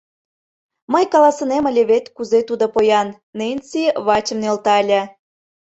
Мый каласынем ыле вет, кузе тудо поян, — Ненси вачым нӧлтале.